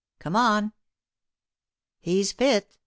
Come on!" "He's fit!"